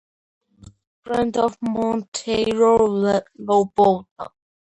He was friend of Monteiro Lobato.